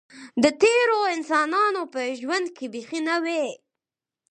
د تېرو انسانانو په ژوند کې بیخي نه وې.